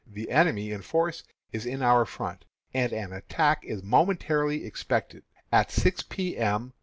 The enemy in force is in our front, and an attack is momentarily expected. At six P. M.